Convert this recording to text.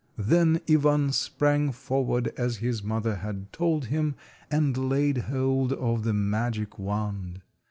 Then Ivan sprang forward as his mother had told him, and laid hold of the magic wand.